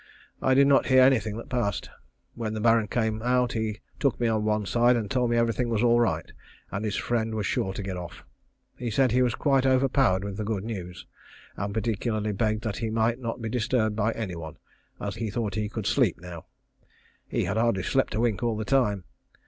I did not hear anything that passed. When the Baron came out he took me on one side and told me everything was all right, and his friend was sure to get off. He said he was quite overpowered with the good news, and particularly begged that he might not be disturbed by any one, as he thought he could sleep now. He had hardly slept a wink all the time.